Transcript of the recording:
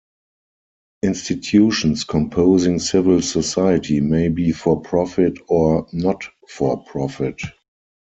Institutions composing civil society may be for-profit or not-for-profit.